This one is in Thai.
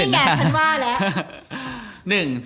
นี่ไงฉันว่าแล้ว